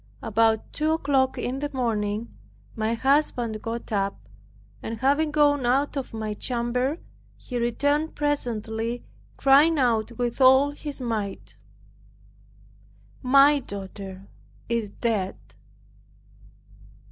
About two o'clock in the morning my husband got up, and having gone out of my chamber, he returned presently, crying out with all his might, "My daughter is dead!"